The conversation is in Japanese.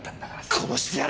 殺してやる！